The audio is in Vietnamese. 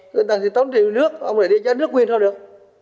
người ta thì tốn tiền nước ông lại đi giá nước nguyên thôi được